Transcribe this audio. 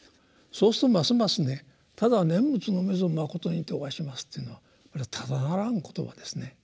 そうするとますますね「ただ念仏のみぞまことにておはします」っていうのはこれただならぬ言葉ですね。